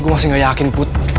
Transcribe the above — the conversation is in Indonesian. gue masih gak yakin put